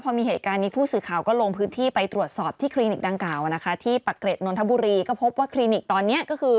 อ่าหนูก็กลัวคลินิกเขาจะหนี